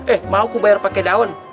eh mau aku bayar pake daun